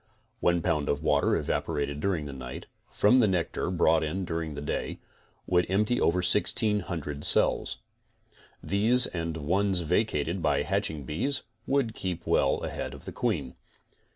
One pound of water evaporated during the night, from the nectar brought in during the day, would empty over 1600 cells. These and the ones vacated by hatching bees would keep well ahead of the queen.